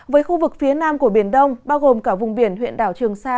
với khu vực phía nam của biển đông bao gồm cả vùng biển huyện đảo trường sa